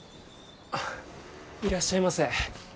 いらっしゃいませ。